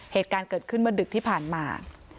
เหตุการณ์เกิดขึ้นเมื่อดึกที่ผ่านมา